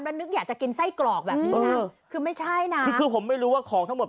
แล้วนึกอยากจะกินไส้กรอกแบบนี้นะคือไม่ใช่นะคือคือผมไม่รู้ว่าของทั้งหมด